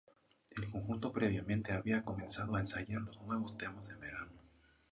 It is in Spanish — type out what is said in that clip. El conjunto previamente había comenzado a ensayar los nuevos temas en verano.